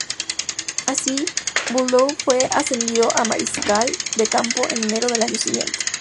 Aun así, Bülow fue ascendido a mariscal de campo en enero del año siguiente.